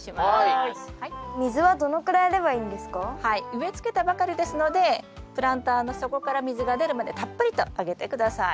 植えつけたばかりですのでプランターの底から水が出るまでたっぷりとあげて下さい。